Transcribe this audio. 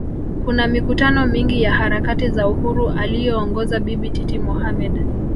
Kuna mikutano mingi ya harakati za Uhuru aliyoongoza Bibi Titi Mohammed